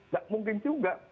gak mungkin juga